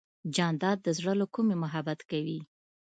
جانداد د زړه له کومې محبت کوي.